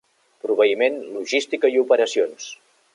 Proveïment, logística i operacions.